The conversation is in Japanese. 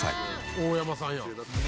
大山さんや。